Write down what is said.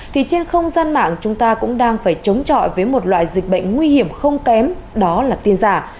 thì trên không gian mạng chúng ta cũng đang phải chống chọi với một loại dịch bệnh nguy hiểm không kém đó là tin giả